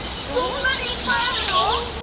そそんなにいっぱいあるの？